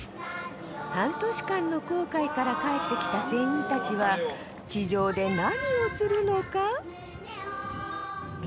半年間の航海から帰って来た船員たちは地上で何をするのか？